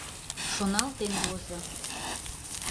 Шоналтен возо.